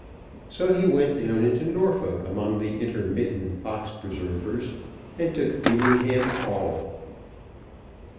So he went down into Norfolk among the intermittent fox preservers, and took Beamingham Hall.